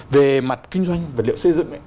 về mặt kinh doanh vật liệu xây dựng